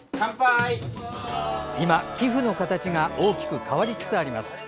今、寄付の形が大きく変わりつつあります。